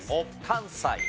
関西。